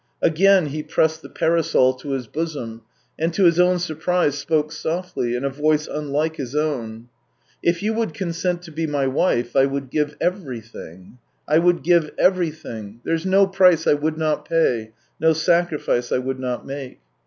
Again he pressed the parasol to his bosom, and to his own surprise spoke softly, in a voice unlike his own: " If you would consent to be my wife I would give everything — I would give everything. There's no price I would not pay, no sacrifice I would not make."